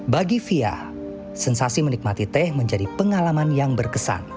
bagi fia sensasi menikmati teh menjadi pengalaman yang berkesan